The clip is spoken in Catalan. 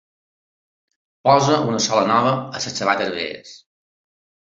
Posa una sola nova a les sabates velles.